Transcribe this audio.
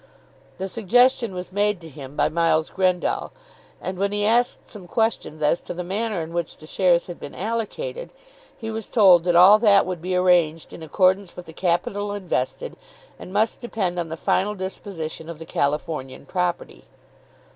The suggestion was made to him by Miles Grendall, and when he asked some questions as to the manner in which the shares had been allocated, he was told that all that would be arranged in accordance with the capital invested and must depend on the final disposition of the Californian property.